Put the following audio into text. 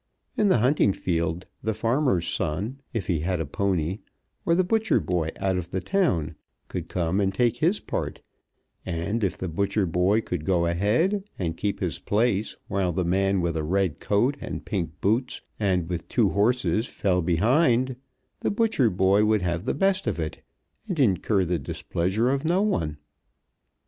In the hunting field the farmer's son, if he had a pony, or the butcher boy out of the town, could come and take his part; and if the butcher boy could go ahead and keep his place while the man with a red coat and pink boots and with two horses fell behind, the butcher boy would have the best of it, and incur the displeasure of no one.